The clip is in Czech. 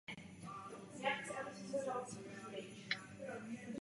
Naše usnesení není žádný omyl.